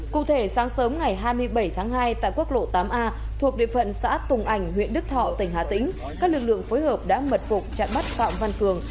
cụ thể sáng sớm ngày hai mươi bảy tháng hai tại quốc lộ tám a thuộc địa phận xã tùng ảnh huyện đức thọ tỉnh hà tĩnh các lực lượng phối hợp đã mật phục chặn bắt phạm văn cường